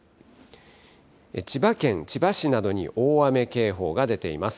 千葉県千葉市などに大雨警報が出ています。